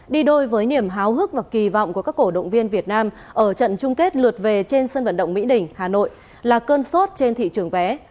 đi đôi với niềm háo hức và kỳ vọng của các cổ động viên việt nam ở trận chung kết lượt về trên sân vận động mỹ đình hà nội là cơn sốt trên thị trường vé